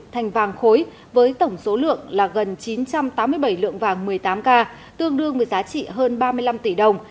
thành vàng khối với tổng số lượng là gần chín trăm tám mươi bảy lượng vàng một mươi tám k tương đương với giá trị hơn ba mươi năm tỷ đồng